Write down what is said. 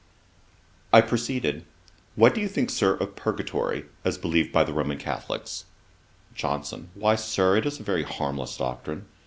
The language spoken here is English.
I proceeded: 'What do you think, Sir, of Purgatory, as believed by the Roman Catholicks?' JOHNSON. 'Why, Sir, it is a very harmless doctrine.